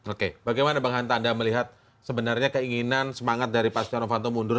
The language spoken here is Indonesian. oke bagaimana bang hanta anda melihat sebenarnya keinginan semangat dari pak stiano fanto mundur